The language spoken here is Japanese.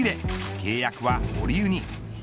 契約は保留に。